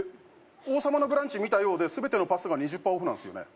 「王様のブランチ見たよ」で全てのパスタが２０％オフなんすよね？